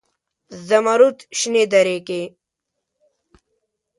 زمرودو شنې درې کې